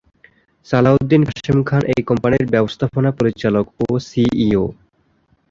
সালাউদ্দিন কাশেম খান এই কোম্পানির ব্যবস্থাপনা পরিচালক ও সিইও।